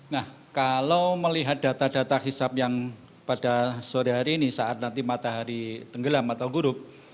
nah kalau melihat data data hisap yang pada sore hari ini saat nanti matahari tenggelam atau buruk